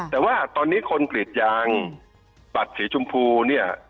แต่ว่าตอนนี้คนกรีดยางบัตรสีชมพูเนี่ย